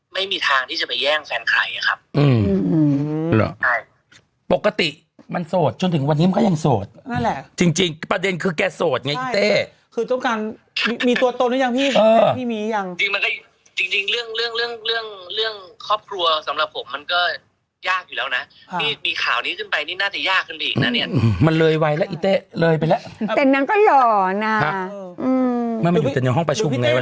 แกโสดไงอิเต้คือต้องการมีตัวตนหรือยังพี่เออพี่มีหรือยังจริงมันก็จริงจริงเรื่องเรื่องเรื่องเรื่องเรื่องครอบครัวสำหรับผมมันก็ยากอยู่แล้วน่ะอ่ามีมีข่าวนี้ขึ้นไปนี่น่าจะยากขึ้นไปอีกน่ะเนี้ยมันเลยไว้แล้วอิเต้เลยไปแล้วแต่นั้นก็หล่อน่ะอืมมันมันอยู่แต่ในห้องประชุมไงวั